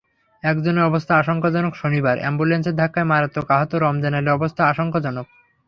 একজনের অবস্থা আশঙ্কাজনক শনিবার অ্যাম্বুলেন্সের ধাক্কায় মারাত্মক আহত রমজান আলীর অবস্থা আশঙ্কাজনক।